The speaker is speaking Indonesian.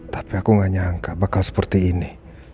tapi aku gak nyangka bakal seperti ini